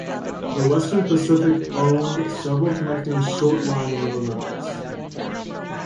The Western Pacific owned several connecting short-line railroads.